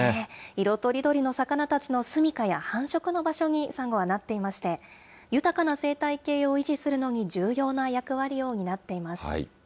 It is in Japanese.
色とりどりの魚たちの住みかや繁殖の場所にサンゴはなっていまして、豊かな生態系を維持するのに重要な役割を担っています。